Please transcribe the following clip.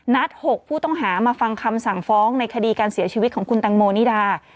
๖ผู้ต้องหามาฟังคำสั่งฟ้องในคดีการเสียชีวิตของคุณตังโมนิดา